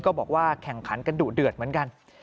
บอกว่าแข่งขันกันดุเดือดเหมือนกัน